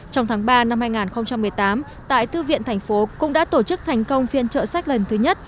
trong tháng ba năm hai nghìn một mươi tám tại thư viện thành phố cũng đã tổ chức thành công phiên trợ sách lần thứ nhất